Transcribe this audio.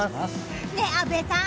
ねえ、阿部さん